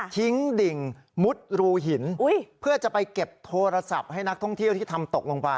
ดิ่งมุดรูหินเพื่อจะไปเก็บโทรศัพท์ให้นักท่องเที่ยวที่ทำตกลงไป